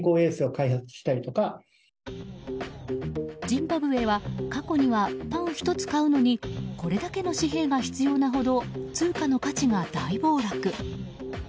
ジンバブエは過去には、パン１つ買うのにこれだけの紙幣が必要なほど通貨の価値が大暴落。